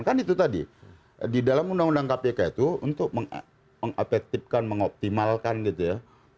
kan itu tadi di dalam undang undang kpk itu untuk mengapektifkan mengoptimalkan gitu ya